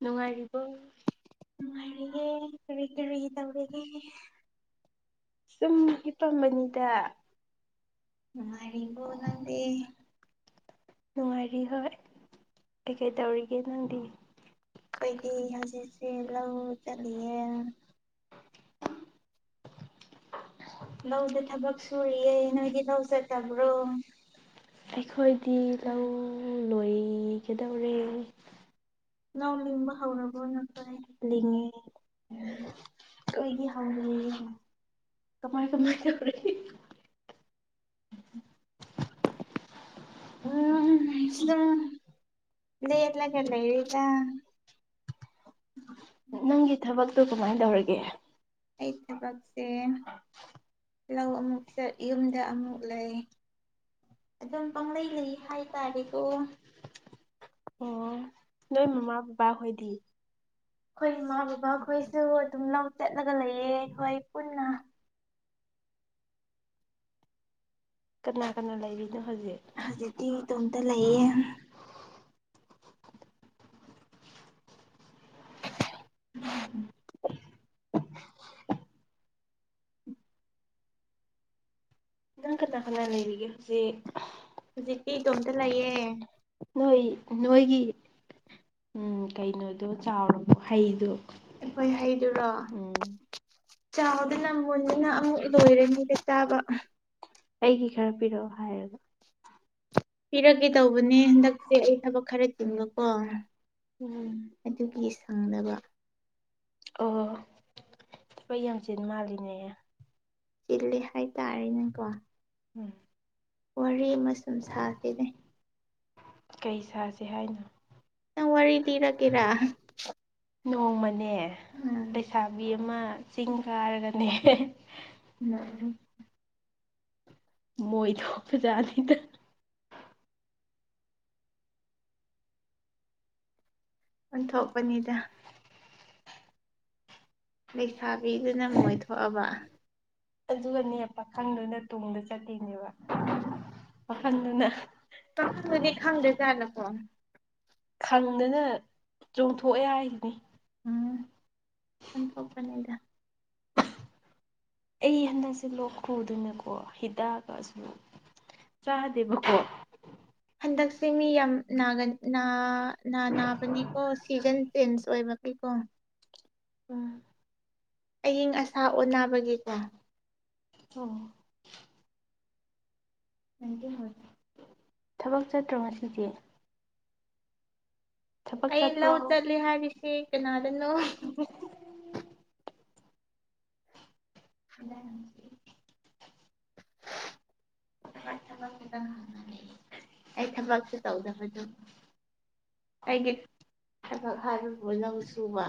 ꯅꯨꯡꯉꯥꯏꯔꯤꯕꯣ ꯅꯨꯡꯉꯥꯏꯔꯤꯌꯦ [unintelligible] ꯁꯨꯝ ꯍꯤꯞꯄꯝꯕꯅꯤꯗ ꯅꯨꯡꯉꯥꯏꯔꯤꯕꯣ ꯅꯪꯗꯤ ꯅꯨꯡꯉꯥꯏꯔꯤ ꯍꯣꯏ ꯀꯩꯀꯩ ꯇꯧꯔꯤꯒꯦ ꯅꯪꯗꯤ ꯑꯩꯈꯣꯏꯗꯤ ꯉꯁꯤꯁꯤ ꯂꯧꯕꯨꯛ ꯆꯠꯂꯤꯌꯦ ꯂꯧꯗ ꯊꯕꯛ ꯁꯨꯔꯤꯌꯦ ꯅꯣꯏꯗꯤ ꯂꯧ ꯆꯠꯇꯕ꯭ꯔꯣ ꯑꯩꯈꯣꯏꯗꯤ ꯂꯧ ꯂꯣꯏꯈꯤꯗꯧꯔꯦ [unintelligible] ꯂꯤꯡꯉꯦ [unintelligible] ꯑꯩꯈꯣꯏꯗꯤ ꯍꯧꯔꯤ ꯀꯃꯥꯏ ꯀꯃꯥꯏ ꯇꯧꯔꯤ [inaudible] ꯎꯝ ꯁꯤꯗ ꯂꯦꯜꯂꯒ ꯂꯩꯌꯦꯗ ꯅꯪꯒꯤ ꯊꯕꯛꯇꯣ ꯀꯃꯥꯏ ꯇꯧꯔꯒꯦ ꯑꯩ ꯊꯕꯛꯁꯦ ꯂꯧ ꯑꯃꯨꯛ ꯆꯠ ꯌꯨꯝꯗ ꯑꯃꯨꯛ ꯂꯩ ꯑꯗꯨꯝ ꯄꯪꯂꯩ ꯂꯩ ꯍꯥꯏꯇꯥꯔꯦꯀꯣ ꯑꯣ ꯅꯣꯏ ꯃꯃꯥ ꯕꯥꯕꯥ ꯍꯣꯏꯗꯤ ꯑꯩꯈꯣꯏ ꯏꯃꯥ ꯕꯕꯥꯈꯣꯏꯁꯨ ꯑꯗꯨꯝ ꯂꯧ ꯆꯠꯂꯒ ꯂꯩꯌꯦ ꯑꯩꯈꯣꯏ ꯄꯨꯟꯅ ꯀꯅꯥ ꯀꯅꯥ ꯂꯩꯔꯤꯅꯣ ꯍꯧꯖꯤꯛ ꯍꯧꯖꯤꯛꯇꯤ ꯏꯇꯣꯝꯇꯥ ꯂꯩꯌꯦ [inaudible] [inaudible] ꯅꯪ ꯀꯅꯥ ꯀꯅꯥ ꯂꯩꯔꯤꯒꯦ ꯍꯧꯖꯤꯛ ꯍꯧꯖꯤꯛꯇꯤ ꯏꯇꯣꯝꯇꯥ ꯂꯩꯌꯦ ꯅꯣꯏ ꯅꯣꯏꯒꯤ ꯎꯝ ꯀꯩꯅꯣꯗꯨ ꯆꯥꯎꯔꯕꯣ ꯍꯩꯗꯨ ꯑꯩꯈꯣꯏ ꯍꯩꯗꯨꯔꯣ ꯎꯝ ꯆꯥꯎꯗꯅ ꯃꯨꯟꯗꯨꯅ ꯑꯃꯨꯛ ꯂꯣꯏꯔꯅꯤꯗ ꯆꯥꯕ ꯑꯩꯒꯤ ꯈꯔ ꯄꯤꯔꯛꯑꯣ ꯍꯥꯏꯔꯒ ꯄꯤꯔꯛꯀꯦ ꯇꯧꯕꯅꯦ ꯍꯟꯗꯛꯁꯦ ꯑꯩ ꯊꯕꯛ ꯈꯔ ꯆꯤꯟꯕꯀꯣ ꯎꯝ [unintelligible] ꯑꯣ ꯊꯕꯛ ꯌꯥꯝ ꯆꯤꯟ ꯃꯥꯜꯂꯤꯅꯦ ꯆꯤꯜꯂꯤ ꯍꯥꯏꯇꯥꯔꯦꯅꯦꯀꯣ ꯎꯝ ꯋꯥꯔꯤ [unintelligible] ꯀꯩ ꯁꯥꯥꯁꯦ ꯍꯥꯏꯅꯣ ꯅꯪ ꯋꯥꯔꯤ ꯂꯤꯔꯛꯀꯦꯔꯥ ꯅꯣꯡꯃꯅꯦ ꯎꯝ ꯂꯩꯁꯥꯕꯤ ꯑꯃ ꯆꯤꯡ ꯀꯥꯔꯒꯅꯦ [unintelligible] ꯃꯣꯏ ꯊꯣꯛꯄ ꯖꯥꯠꯅꯤꯗ ꯑꯣꯟꯊꯣꯛꯄꯅꯤꯗ ꯄꯩꯁꯥꯒꯩꯗꯨꯅ [unintelligible] ꯑꯗꯨꯒꯅꯦ ꯄꯥꯈꯪꯗꯨꯅ ꯇꯨꯡꯗ ꯆꯠꯂꯤꯅꯦꯕ ꯄꯥꯈꯪꯗꯨꯅ [unintelligible] ꯈꯪꯗꯅ ꯆꯣꯡꯊꯣꯛꯑꯦ ꯍꯥꯏꯗꯨꯅꯤ ꯎꯝ ꯑꯣꯟꯊꯣꯛꯄꯅꯤꯗ ꯑꯩ ꯍꯟꯗꯛꯁꯦ ꯂꯣꯛ ꯈꯨꯨꯕꯗꯅꯦꯀꯣ ꯍꯤꯗꯥꯛꯒꯁꯨ ꯆꯥꯗꯦꯕꯀꯣ ꯍꯟꯗꯛꯁꯦ ꯃꯤ ꯌꯥꯝ ꯅꯥ ꯅꯥ ꯅꯥꯕꯅꯤꯀꯣ ꯁꯤꯖꯟ ꯆꯦꯟꯖ ꯑꯣꯏꯕ ꯑꯩꯀꯣ ꯎꯝ ꯑꯏꯪ ꯑꯁꯥ ꯑꯣꯟꯅꯕꯒꯤ ꯀꯣ ꯑꯣ ꯊꯥꯕꯛ ꯆꯠꯇ꯭ꯔꯣ ꯉꯁꯤꯗꯤ ꯑꯩ ꯂꯧ ꯆꯠꯂꯦ ꯍꯥꯏꯔꯤꯁꯦ ꯀꯅꯥꯗꯅꯣ [unintelligible] [unintelligible] ꯑꯩ ꯊꯥꯕꯛꯁꯨ ꯇꯧꯗꯕꯗꯨ ꯑꯩꯒꯤ ꯊꯥꯕꯛ ꯍꯥꯏꯕꯕꯨ ꯅꯪꯁꯨꯕ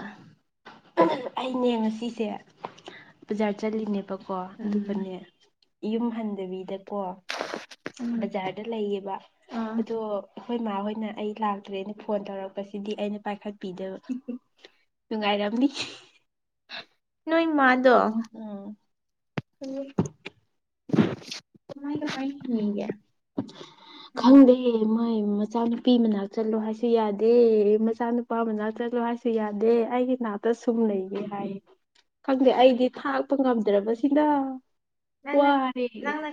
ꯑꯩꯅꯦ ꯉꯁꯤꯁꯦ ꯕꯖꯥꯔ ꯆꯠꯂꯤꯅꯦꯕꯀꯣ ꯑꯗꯨꯒꯅꯦ ꯌꯨꯝ ꯍꯟꯗꯕꯤꯗꯀꯣ ꯕꯖꯥꯔꯗ ꯂꯩꯌꯦꯕ ꯑꯗꯣ ꯑꯩꯈꯣꯏ ꯃꯥ ꯍꯣꯏꯅ ꯑꯩ ꯂꯥꯛꯇ꯭ꯔꯦꯅ ꯐꯣꯟ ꯇꯧꯔꯛꯄꯁꯤꯗꯤ ꯑꯩꯅ ꯄꯥꯏꯈꯠ ꯄꯤꯗꯕ ꯅꯨꯡꯉꯥꯏꯔꯝꯅꯤ ꯅꯣꯏ ꯃꯥꯗꯣ ꯎꯝ [unintelligible] ꯈꯪꯗꯦ ꯃꯣꯏ ꯃꯆꯥꯅꯨꯄꯤ ꯃꯅꯥꯛ ꯆꯠꯂꯣ ꯍꯥꯏꯁꯨ ꯌꯥꯗꯦ ꯃꯆꯥꯅꯨꯄꯥ ꯃꯅꯥꯛ ꯆꯠꯂꯣ ꯍꯥꯏꯁꯨ ꯁꯨ ꯌꯥꯗꯦ ꯑꯩꯒꯤ ꯅꯥꯛꯇ ꯁꯨꯝ ꯂꯩꯒꯦ ꯍꯥꯏꯌꯦ ꯈꯪꯗꯦ ꯑꯩꯗꯤ ꯊꯥꯛꯄ ꯉꯝꯗ꯭ꯔꯕꯁꯤꯅ ꯋꯥꯏꯔꯦ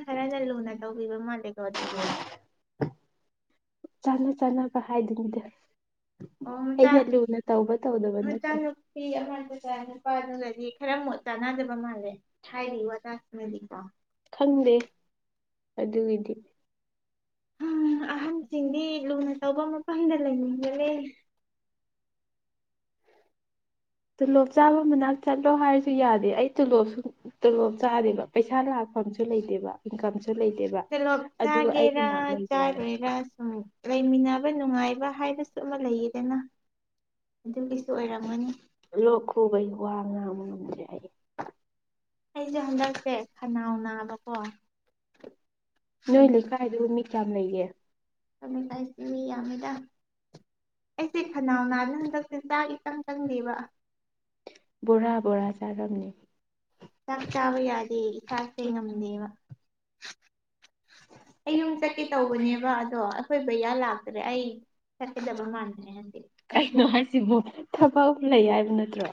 ꯈꯔꯅ ꯂꯨꯅ ꯇꯧꯕꯤꯕ ꯃꯥꯜꯂꯦꯀꯣ ꯑꯗꯨꯗꯤ ꯆꯠꯂ ꯆꯠꯂꯒꯕ ꯍꯥꯏꯗꯨ ꯅꯪꯗꯤ ꯍꯦ ꯍꯦ ꯂꯨꯅ ꯇꯧꯕ ꯇꯧꯗꯕ ꯅꯠꯇꯦ ꯍꯣꯏ ꯑꯗꯨꯅꯗꯤ ꯈꯔ ꯃꯣꯠ ꯆꯥꯅꯗꯕ ꯃꯥꯜꯂꯦ ꯍꯥꯏꯔꯤ ꯋꯥꯇꯁꯤꯡꯅꯗꯤꯀꯣ ꯈꯪꯗꯦ ꯑꯗꯨꯒꯤꯗꯤ ꯁꯤꯡꯗꯤ ꯂꯨꯅ ꯇꯧꯕ ꯃꯐꯝꯗ ꯂꯩꯅꯤꯡꯕꯅꯦ ꯇꯣꯂꯣꯞ ꯆꯥꯕ ꯃꯅꯥꯛꯇ ꯆꯠꯂꯣ ꯍꯥꯏꯔꯁꯨ ꯌꯥꯗꯦ ꯑꯩ ꯇꯣꯂꯣꯞꯁꯨ ꯇꯣꯂꯣꯞ ꯆꯥꯗꯦꯕ ꯄꯩꯁꯥ ꯂꯥꯛꯐꯝꯁꯨ ꯂꯩꯇꯦꯕ ꯏꯟꯀꯝꯁꯨ ꯂꯩꯇꯦꯕ ꯇꯦꯂꯣꯞ ꯆꯥꯒꯦꯔꯥ ꯆꯥꯔꯣꯏꯔꯥ ꯁꯨꯝ ꯂꯩꯃꯤꯟꯅꯕ ꯅꯨꯡꯉꯥꯏꯕ ꯍꯥꯏꯕꯁꯤ ꯆꯞ ꯃꯥꯟꯅꯩꯌꯦꯗꯅ ꯑꯗꯨꯒꯤꯁꯨ ꯑꯣꯏꯔꯝꯒꯅꯤ ꯂꯣꯛ ꯈꯨꯕꯒꯤ ꯋꯥ ꯉꯥꯡꯕ ꯉꯝꯗ꯭ꯔꯦ ꯑꯩ ꯑꯩꯁꯨ ꯉꯛꯑꯦ ꯈꯅꯥꯎ ꯅꯥꯕꯀꯣ ꯅꯣꯏ ꯂꯩꯀꯥꯏꯗꯨ ꯃꯤ ꯀꯌꯥꯝ ꯂꯩꯒꯦ ꯑꯩꯈꯣꯏ ꯂꯩꯀꯥꯏꯁꯤ ꯃꯤ ꯌꯥꯝꯃꯤꯗ ꯑꯩꯁꯦ ꯈꯅꯥꯎꯅꯥꯗꯅ ꯍꯟꯗꯛꯁꯦ ꯆꯥꯛ ꯏꯆꯪ ꯆꯪꯗꯦꯕ ꯕꯣꯔꯥ ꯕꯣꯔꯥ ꯆꯥꯔꯝꯅꯤ ꯆꯥꯛ ꯆꯥꯕ ꯌꯥꯗꯦ ꯏꯁꯥꯁꯦ ꯉꯝꯗꯦꯕ [unintelligible] ꯑꯩ ꯌꯨꯝ ꯆꯠꯀꯦ ꯇꯧꯕꯅꯦꯕ ꯑꯗꯣ ꯑꯩꯈꯣꯏ ꯕꯌꯥ ꯂꯥꯛꯇ꯭ꯔꯦ ꯑꯩ ꯆꯠꯀꯕ ꯃꯟꯗꯔꯦ ꯉꯁꯤ ꯀꯩꯅꯣ ꯍꯥꯏꯁꯤꯕꯣ ꯊꯕꯛ ꯂꯩ ꯍꯥꯏꯕ ꯅꯠꯇ꯭ꯔꯣ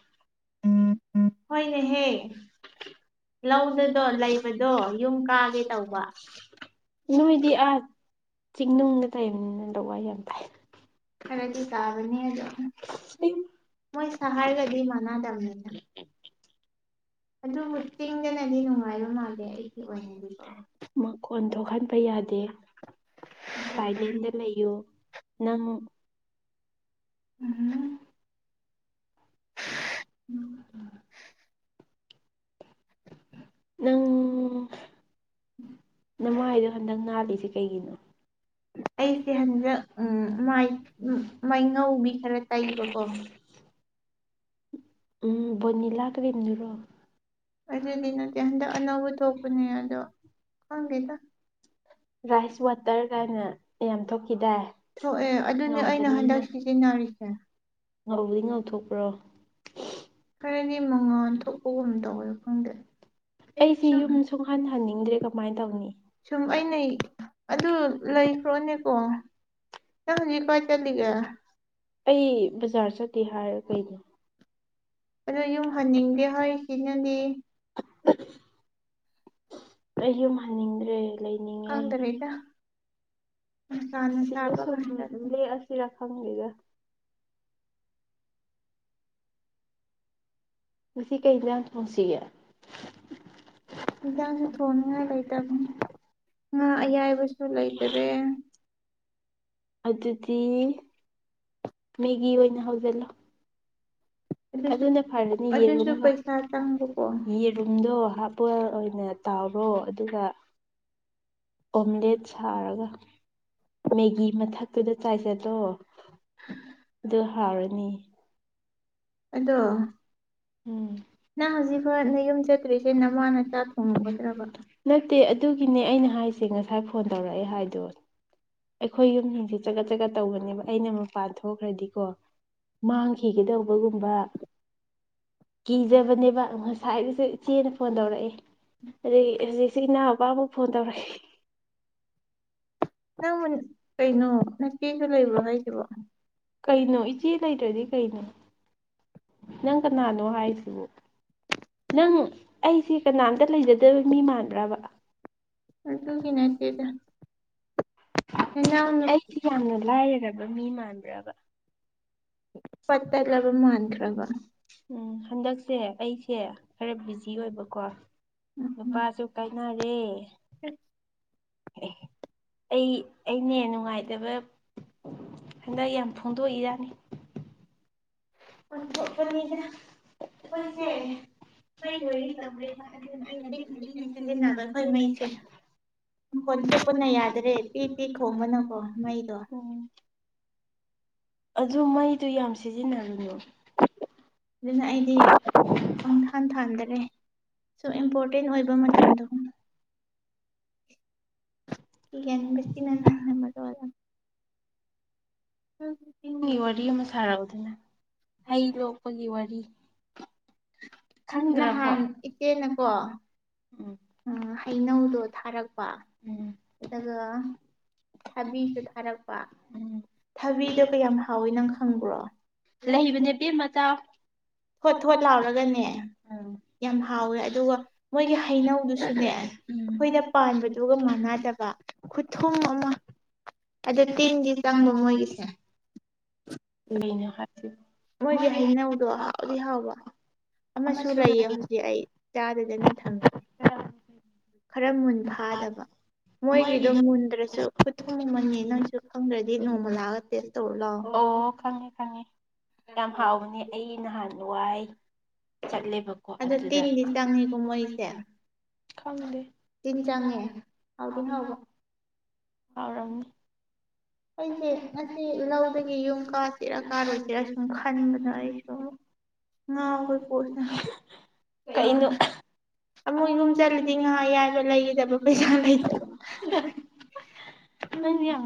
ꯍꯣꯏꯅꯦꯍꯦ ꯂꯧꯗꯗꯣ ꯂꯩꯕꯗꯣ ꯌꯨꯝ ꯀꯥꯒꯦ ꯇꯧꯕ ꯅꯣꯏꯗꯤ ꯑꯥ ꯆꯤꯡꯅꯨꯡꯗ ꯇꯩꯕꯅꯤꯅ ꯂꯋꯥ ꯌꯥꯝ ꯇꯥꯏ ꯍꯥꯏꯕꯗꯤ ꯇꯥꯕꯅꯤ ꯑꯗꯨ [unintelligible] ꯑꯗꯨꯕꯨ ꯆꯤꯡꯗꯅꯗꯤ ꯅꯨꯡꯉꯥꯏꯕ ꯃꯥꯥꯜꯂꯦ ꯑꯩꯒꯤ ꯑꯣꯏꯅꯗꯤ ꯃꯈꯣꯟ ꯊꯣꯛꯍꯟꯕ ꯌꯥꯗꯦ ꯁꯥꯏꯂꯦꯟꯗ ꯂꯩꯌꯨ ꯅꯪ ꯎꯝ [inaudible] [unintelligible] ꯅꯃꯥꯏꯗꯣ ꯍꯟꯗꯛ ꯅꯥꯜꯂꯤꯁꯦ ꯀꯩꯒꯤꯅꯣ ꯑꯩꯁꯦ ꯍꯟꯗꯛ ꯎꯝ ꯃꯥꯏ ꯃꯥꯏꯉꯧꯕꯤ ꯈꯔ ꯇꯩꯕꯀꯣ ꯎꯝ ꯕꯣꯅꯤꯂꯥ ꯀꯔꯤꯝꯗꯨꯔꯣ ꯑꯗꯨꯗꯤ ꯅꯠꯇꯦ ꯍꯟꯗꯛ ꯑꯅꯧꯕ ꯊꯣꯛꯄꯅꯦ ꯑꯗꯨ ꯈꯪꯗꯦꯗꯥ ꯔꯥꯏꯁ ꯋꯥꯇꯔ ꯀꯥꯏꯅ ꯌꯥꯝ ꯊꯣꯛꯈꯤꯗꯥꯏ ꯊꯣꯛꯑꯦ ꯑꯗꯨꯅꯦ ꯑꯩꯅ ꯁꯤꯖꯤꯟꯅꯔꯤꯁꯦ ꯉꯥꯎꯗꯤ ꯉꯧꯊꯣꯛꯄ꯭ꯔꯣ ꯈꯔꯗꯤ ꯃꯉꯥꯥꯟ ꯊꯣꯛꯄꯒꯨꯝ ꯇꯧꯋꯦ ꯈꯪꯗꯦ ꯑꯩꯁꯤ ꯌꯨꯝ ꯁꯨꯛꯍꯟꯍꯟꯅꯤꯡꯗ꯭ꯔꯦ ꯀꯃꯥꯏꯅ ꯇꯧꯅꯤ ꯁꯨꯝ ꯑꯩꯅ ꯑꯗꯨ ꯂꯩꯈ꯭ꯔꯣꯅꯦꯀꯣ [unintelligible] ꯑꯩ ꯕꯖꯥꯔ ꯆꯠꯇꯦ ꯍꯥꯏꯔꯥ ꯀꯩꯩꯅꯣ ꯑꯗꯨ ꯌꯨꯝ ꯍꯟꯅꯤꯡꯗꯦ ꯍꯥꯏꯁꯤꯅꯗꯤ ꯑꯩ ꯌꯨꯝ ꯍꯟꯅꯤꯡꯗ꯭ꯔꯦ ꯂꯩꯅꯤꯡꯉꯦ ꯈꯪꯗ꯭ꯔꯦꯗ [unintelligible] ꯁꯤꯗ ꯁꯨꯝ ꯂꯦꯛꯑꯁꯤꯔꯥ ꯈꯪꯗꯦꯗꯥ ꯉꯁꯤ ꯀꯩ ꯏꯪꯁꯥꯡ ꯊꯣꯡꯁꯤꯒꯦ ꯏꯟꯁꯥꯡꯁꯨ ꯊꯣꯡꯅꯤꯡꯉꯥꯏ ꯂꯩꯇꯕꯅꯤ ꯉꯥ ꯑꯌꯥꯏꯕꯁꯨ ꯂꯩꯇ꯭ꯔꯦ ꯑꯗꯨꯗꯤ ꯃꯦꯒꯤ ꯑꯣꯏꯅ ꯍꯧꯖꯤꯜꯂꯣ ꯑꯗꯨꯅ ꯐꯔꯅꯤ ꯌꯦꯟꯔꯨꯝ ꯒꯥ ꯌꯦꯔꯨꯝ ꯌꯦꯟꯔꯨꯝ ꯗꯣ ꯍꯥꯞꯄꯛ ꯅꯣꯏꯅ ꯇꯥꯎꯔꯣ ꯑꯗꯨꯒ ꯑꯣꯝꯂꯦꯠ ꯁꯥꯔꯒ ꯃꯦꯒꯤ ꯃꯊꯥꯛꯇꯨꯗ ꯆꯥꯏꯖꯜꯂꯣ ꯑꯗꯨ ꯍꯥꯎꯔꯅꯤ ꯑꯗꯣ ꯎꯝ [unintelligible] ꯅꯠꯇꯦ ꯑꯥ ꯑꯗꯨꯒꯤꯅꯦ ꯑꯩꯅ ꯍꯥꯏꯁꯦ ꯉꯁꯥꯏ ꯐꯣꯟ ꯇꯧꯔꯥꯛꯑꯦ ꯍꯥꯏꯗꯣ ꯑꯩꯈꯣꯏ ꯌꯨꯝꯁꯤꯡꯁꯤ ꯆꯠꯒꯠ ꯆꯠꯒꯠ ꯇꯧꯕꯅꯦꯕ ꯑꯩꯅ ꯃꯄꯥꯟ ꯊꯣꯛꯈ꯭ꯔꯗꯤꯀꯣ ꯃꯥꯡꯈꯤꯒꯗꯧꯕ ꯕꯒꯨꯝꯕ ꯀꯤꯖꯕꯅꯦꯕ ꯉꯁꯥꯏꯒꯁꯦ ꯏꯆꯦꯅ ꯐꯣꯟ ꯇꯧꯔꯛꯑꯦ ꯑꯗꯨꯒꯤ ꯍꯧꯖꯤꯛꯁꯤ ꯏꯅꯥꯎꯄꯥꯕꯨ ꯐꯣꯟ ꯇꯧꯔꯛꯏ [unintelligible] ꯀꯩꯅꯣ ꯏ ꯄꯤ ꯂꯩꯇ꯭ꯔꯗꯤ ꯀꯩꯅꯣ ꯅꯪ ꯀꯅꯥꯅꯣ ꯍꯥꯏꯁꯤꯕ‌ꯣ ꯅꯪ ꯑꯩꯁꯦ ꯀꯅꯥꯝꯇ ꯂꯩꯖꯗꯕ ꯃꯤ ꯃꯥꯟꯕ꯭ꯔꯕꯥ ꯑꯗꯨꯒꯤ ꯅꯠꯇꯦꯗ ꯅꯅꯥꯎꯅ ꯑꯩ ꯌꯥꯝꯅ ꯂꯥꯏꯔꯔꯕ ꯃꯤ ꯃꯥꯟꯕ꯭ꯔꯕꯥ [unintelligible] ꯎꯝ ꯍꯟꯗꯛꯁꯦ ꯑꯩꯁꯦ ꯈꯔ ꯕꯤꯖꯤ ꯑꯣꯏꯕꯀꯣ ꯅꯨꯄꯥꯁꯨ ꯀꯥꯏ ꯅꯔꯦ ꯑꯦ ꯑꯩ ꯑꯩꯅꯦ ꯅꯨꯡꯉꯥꯏꯇꯕꯞ ꯍꯟꯗꯛ ꯌꯥꯝ ꯐꯣꯡꯗꯣꯛꯏꯖꯅꯤ ꯑꯣꯟꯊꯣꯛꯄꯅꯤꯗ ꯑꯩꯈ‌ꯣꯏꯁ‌ꯦ ꯃꯩ ꯂꯣꯏꯒꯤꯗꯧꯔꯦꯅ ꯑꯗꯨꯅ ꯑꯩꯅ ꯂꯤꯛꯅ ꯂꯤꯛꯅ ꯁꯤꯖꯤꯟꯅꯕ ꯑꯩꯈꯣꯏ ꯃꯩꯁꯦ ꯃꯥꯈꯣꯟ ꯊꯣꯛꯄꯅ ꯌꯥꯗ꯭ꯔꯦ ꯇ‌ꯦ ꯇ‌ꯦ ꯈꯣꯡꯕꯅꯀꯣ ꯃꯩꯗꯣ ꯎꯝ ꯑꯗꯨ ꯃꯩꯗꯨ ꯌꯥꯝ ꯁꯤꯖꯤꯟꯅꯒꯅꯨ ꯑꯗꯨꯅ ꯑꯩꯗꯤ [unintelligible] ꯁꯨꯝ ꯏꯝꯄꯣꯔꯇꯦꯟ ꯑꯣꯏꯕ ꯏꯒ‌ꯦꯟ ꯕꯤꯇꯤꯅꯟ ꯃꯔ‌ꯣꯜ ꯑꯃ ꯎꯝ ꯅꯪꯒꯤ ꯋꯥꯔꯤ ꯑꯃ ꯁꯥꯔꯛꯎꯗꯅ ꯍꯩ ꯂꯣꯛꯄꯒꯤ ꯋꯥꯔꯤ ꯈꯪꯗ꯭ꯔꯕꯣ [unintelligible] ꯑ ꯍꯩꯅꯧꯗꯣ ꯊꯥꯔꯥꯛꯄ ꯑꯗꯨꯒ ꯊꯕꯤꯁꯨ ꯊꯥꯔꯛꯄ ꯊꯕꯤꯗꯨ ꯌꯥꯝ ꯍꯥꯎꯋ‌ꯦ ꯅꯪ ꯈꯪꯕ꯭ꯔ‌ꯣ ꯂꯩꯕꯅꯦ ꯄꯦꯝꯃ ꯆꯥꯎ ꯊꯣꯠ ꯊꯣꯠ ꯂꯧꯔꯒꯅꯦ ꯑ ꯌꯥꯝ ꯍꯥꯎꯑꯦ ꯑꯗꯨꯒ ꯃꯣꯏꯒꯤ ꯍꯩꯅꯧꯗꯣ [unintelligible] ꯑꯩꯈꯣꯏꯗ ꯄꯥꯟꯕꯗꯨꯒ ꯃꯥꯟꯅꯗꯕꯥ ꯈꯨꯊꯨꯝ ꯑꯃꯥ ꯑꯗꯣ ꯇꯤꯟꯗꯤ ꯆꯪꯕ ꯃꯣꯏꯒꯤꯁꯦ ꯀꯩꯅꯣ ꯍꯥꯏꯁꯤꯕ‌ꯣ ꯃꯣꯏꯒꯤ ꯍꯩꯅꯧꯗꯣ ꯍꯥꯎꯗꯤ ꯍꯥꯎꯕ ꯑꯃꯁꯨ ꯂꯩꯌꯦ ꯍꯧꯖꯤꯛ ꯑꯩ ꯆꯥꯗꯗꯅ ꯊꯝꯃꯤ ꯈꯔ ꯃꯨꯟ ꯐꯥꯗꯕ ꯃꯣꯏꯒꯤꯗꯣ ꯃꯨꯟꯗ꯭ꯔꯁꯨ ꯈꯨꯊꯨꯝ ꯑꯃꯅꯤ ꯅꯣꯏꯁꯨ ꯈꯪꯗ꯭ꯔꯗꯤ ꯅꯣꯡꯃ ꯂꯥꯛꯑꯒ ꯇꯦꯁ ꯇꯧꯔꯨ ꯂꯥꯛꯑꯣ ꯑꯣ ꯈꯪꯉꯦ ꯈꯪꯉꯦ ꯌꯥꯝ ꯍꯥꯎꯕꯅꯤ ꯑꯩ ꯅꯍꯥꯟꯋꯥꯏ ꯆꯠꯂꯦꯕꯀꯣ ꯑꯗꯨꯗ [unintelligible] ꯈꯪꯗꯦ ꯇꯤꯟ ꯆꯡꯉꯦ ꯍꯥꯎꯗꯤ ꯍꯥꯎꯕ ꯍꯥꯎꯔꯝꯅꯤ ꯑꯩꯁꯦ ꯉꯁꯤ ꯂꯧꯗꯒꯤ ꯌꯨꯝ ꯀꯥꯁꯤꯔ ꯀꯥꯔ‌ꯣꯏꯁꯤꯔ ꯁꯨꯝ ꯈꯟꯕꯅ ꯑꯩꯁꯦ ꯉꯥꯎꯔ‌ꯦ ꯀ‌ꯣꯛꯁ‌ꯦ ꯀꯩꯅ‌ꯣ ꯑꯃꯨꯛ ꯌꯨꯝ ꯆꯠꯂꯗꯤ ꯉꯥ ꯑꯌꯥꯏꯕ ꯂꯩꯗꯕ ꯄꯩꯁꯥ ꯂꯩꯇꯕ ꯅꯪꯗꯤ ꯌꯥꯡ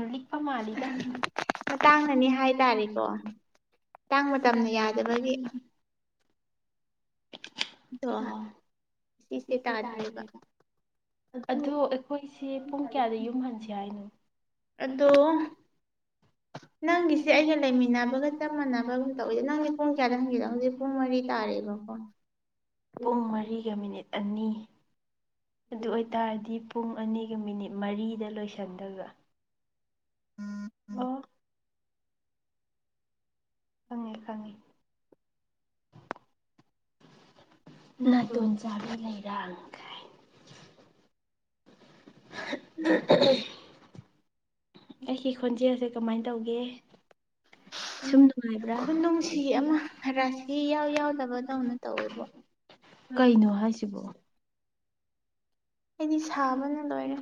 ꯃꯇꯥꯡꯅꯅꯤ ꯍꯥꯏꯇꯥꯔꯦꯀꯣ ꯇꯥꯡ ꯃꯇꯝꯅ ꯌꯥꯗꯕꯒꯤ ꯑꯗ‌ꯣ ꯁ꯭ꯇ‌ꯦꯁꯇ‌ꯦ ꯇꯥꯗ꯭ꯔꯦꯕ ꯑꯗꯨ ꯑꯩꯈꯣꯏꯁꯦ ꯄꯨꯡ ꯀꯌꯥꯗ ꯌꯨꯝ ꯍꯟꯁꯤ ꯍꯥꯏꯅꯣ ꯑꯗꯣ [inaudible] ꯅꯪꯒꯤꯁꯦ ꯑꯒ ꯂꯩꯃꯤꯟꯅꯕꯒ ꯆꯞ ꯃꯥꯟꯅꯕ ꯑꯃ ꯇꯧꯋꯦ ꯅꯪ ꯄꯨꯡ ꯀꯌꯥꯗ ꯍꯟꯒ‌ꯦ [unintelligible] ꯄꯨꯡ ꯃꯔꯤ ꯇꯥꯔꯦꯕꯀꯣ ꯄꯨꯡ ꯃꯔꯤꯒ ꯃꯤꯅꯤꯠ ꯑꯅꯤ ꯑꯗꯨ ꯑꯣꯏꯇꯥꯔꯗꯤ ꯄꯨꯡ ꯑꯅꯤꯒ ꯃꯤꯅꯤꯠ ꯃꯔꯤꯗ ꯂꯣꯏꯁꯟꯗ‌ꯣꯏꯕ ꯑꯝ ꯈꯪꯉꯦ ꯈꯪꯉꯦ ꯅꯥꯇꯣꯟ ꯆꯥꯕꯤ ꯂꯩꯔꯥꯡ ꯒꯥꯢꯅ [unintelligible] ꯑꯩꯒꯤ ꯈꯣꯟꯖꯦꯜꯁꯦ ꯀꯃꯥꯏꯅ ꯇꯧꯒꯦ ꯁꯨꯝ ꯅꯨꯡꯉꯥꯏꯕ꯭ꯔꯥ ꯀꯩꯅꯣ ꯍꯥꯏꯁꯤꯕꯣ ꯑꯩꯗꯤ ꯁꯥꯕꯅ ꯂꯣꯏꯔꯦ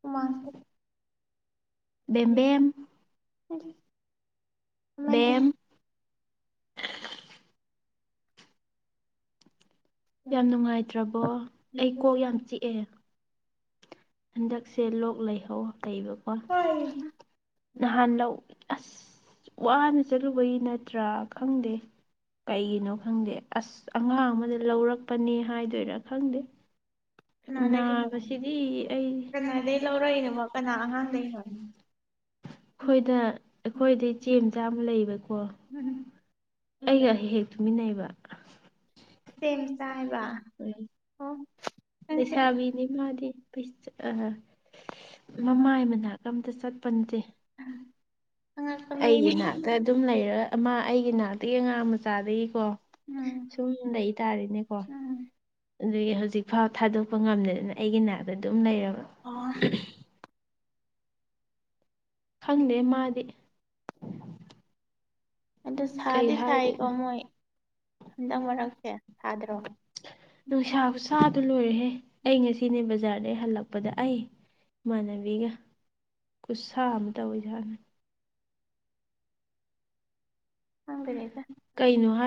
ꯍꯨꯃꯥꯡꯁꯦ ꯕꯦꯝꯕꯦꯝ ꯕꯦꯝ ꯌꯥꯝ ꯅꯨꯡꯉꯥꯏꯇ꯭ꯔꯕꯣ ꯑꯩ ꯀꯣꯛ ꯌꯥꯝ ꯆꯤꯛꯑꯦ ꯍꯟꯗꯛꯁꯦ ꯂꯣꯛ ꯂꯩꯍꯧ ꯂꯩꯕꯀꯣ ꯅꯍꯥꯟ ꯂꯧ ꯑꯁ ꯋꯥꯅ ꯆꯠꯂꯨꯕꯒꯤ ꯅꯠꯇ꯭ꯔꯥ ꯈꯪꯗꯦ ꯀꯩꯒꯤꯅꯣ ꯈꯪꯗꯦ ꯑꯁ ꯑꯉꯥꯡ ꯑꯃꯗ ꯂꯧꯔꯛꯄꯅꯤ ꯍꯥꯏꯗꯣꯏꯔꯥ ꯈꯪꯗꯦ ꯅꯥꯕꯁꯤꯗꯤ ꯑꯩ ꯑꯩꯈꯣꯏꯗ ꯑꯩꯈꯣꯏꯗꯩ ꯆꯦꯟ ꯂꯩꯕꯀꯣ ꯑꯩꯒ ꯍꯦꯛ ꯍꯦꯛ ꯇꯨꯃꯤꯟꯅꯩꯕ ꯏꯆꯦ ꯃꯆꯥ ꯍꯥꯢꯕ ꯑꯣ ꯅꯪꯁꯦ ꯃꯥꯗꯤ ꯑ ꯃꯃꯥꯏ ꯃꯅꯥꯛ ꯑꯝꯇ ꯆꯠꯄ ꯅꯠꯇꯦ ꯑꯩꯒꯤ ꯅꯥꯛꯇ ꯑꯗꯨꯝ ꯁꯨꯝ ꯂꯩꯔ ꯑꯃ ꯑꯩꯒꯤ ꯅꯥꯛꯇꯒꯤ ꯉꯥ ꯃꯆꯥꯗꯒꯤꯀꯣ ꯁꯨꯝ ꯂꯩ [unintelligible] ꯒꯣ ꯑꯗꯨꯒꯤ ꯍꯧꯖꯤꯛ ꯐꯥꯎ ꯊꯥꯗꯣꯛꯄ ꯉꯝꯗꯗꯅ ꯑꯩꯒꯤ ꯅꯥꯛꯇ ꯑꯗꯨꯝ ꯂꯩꯔꯕ [unintelligible] ꯭ ꯈꯪꯗꯦ ꯃꯥꯗꯤ ꯑꯗꯣ ꯁꯥꯗꯤ ꯁꯥꯢꯀꯣ ꯃꯣꯏ ꯍꯟꯗꯛ ꯃꯔꯛꯁꯦ ꯁꯥꯗ꯭ꯔꯣ ꯗꯨ ꯂꯣꯏꯔꯦꯍꯦ ꯑꯩ ꯉꯁꯤꯅꯦ ꯕꯖꯥꯔꯗꯒꯤ ꯍꯜꯂꯛꯄꯗ ꯑꯩ ꯏꯃꯥꯟꯅꯕꯤꯒ ꯈꯨꯠꯁꯥ ꯑꯃ ꯇꯧꯋꯤ ꯢꯁꯥꯁꯦ ꯈꯪꯗ꯭ꯔꯦꯗ ꯀꯩꯅꯣ ꯍꯥꯏ